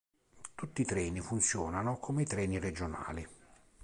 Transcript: Tutti i treni funzionano come i treni regionali.